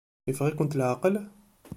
Yeffeɣ-ikent leɛqel?